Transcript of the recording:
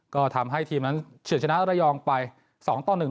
ก็ทำให้ทีมนั้นเฉียดชนะระยองไป๒ต่อ๑